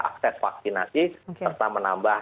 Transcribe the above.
akses vaksinasi serta menambah